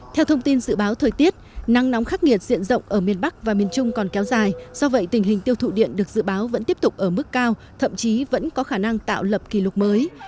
theo thông tin dự báo thời tiết nắng nóng khắc nghiệt diện rộng ở miền bắc và miền trung còn kéo dài do vậy tình hình tiêu thụ điện được dự báo vẫn tiếp tục ở mức cao thậm chí vẫn có khả năng tạo lập kỷ lục mới